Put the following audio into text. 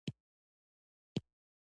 اسونه د بزکشۍ لپاره ساتل کیږي.